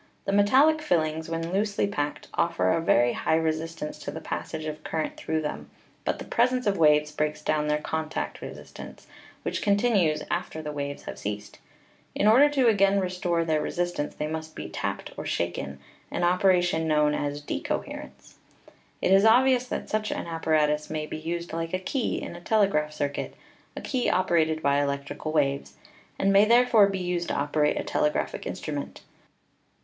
The metallic filings, when loosely packed, offer a very high resistance to the passage of cur rent through them, but the presence of waves breaks down their contact resistance, which continues after the waves have ceased. In order to again restore their re WIRELESS TELEGRAPHY 315 sistance they must be tapped or shaken, an operation known as decoherence. It is obvious that such an appa ratus may be used like a key in a telegraphic circuit — a key operated by electric waves — and may therefore be used to operate a telegraphic instrument.